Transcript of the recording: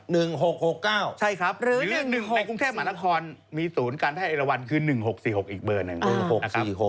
หรือในกรุงแท่หมรทครมีศูนย์การแพทย์เอ็ดละวันคือ๑๖๔๖อีกเบอร์หนึ่งนะครับ